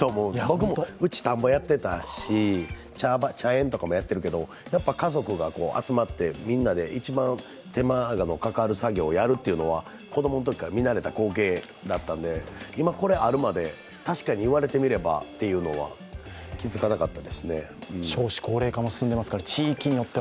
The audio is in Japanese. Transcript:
僕もうち、田んぼやってたし、茶園とかもやってるけど家族が集まってみんなで一番手間のかかる作業をやるというのは子供のときから見慣れた光景だったんで、今、これあるまで、確かに言われてみればというのは気づかなかったですね。